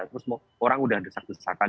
terus orang udah desak desakan